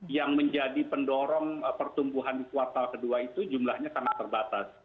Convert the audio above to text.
yang menjadi pendorong pertumbuhan di kuartal kedua itu jumlahnya sangat terbatas